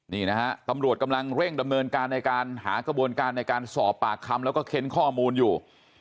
นี่นะฮะตำรวจกำลังเร่งดำเนินการในการหากระบวนการในการสอบปากคำแล้วก็เค้นข้อมูลอยู่